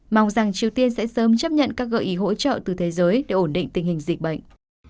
mong rằng triều tiên sẽ sớm chấp nhận các gợi ý hỗ trợ từ thế giới để ổn định tình hình dịch bệnh